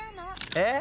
えっ⁉